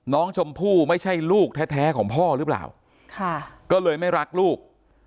น้องชมพู่ไม่ใช่ลูกแท้ของพ่อหรือเปล่าก็เลยไม่รักลูก